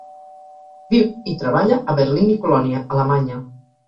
Viu i treballa a Berlín i Colònia, Alemanya.